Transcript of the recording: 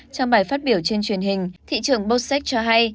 trong bài phát biểu trên truyền hình thị trưởng bosek cho hay